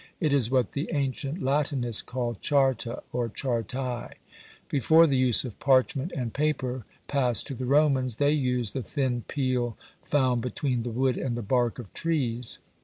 It is what the ancient Latinists call charta or chartae. Before the use of parchment and paper passed to the Romans, they used the thin peel found between the wood and the bark of trees.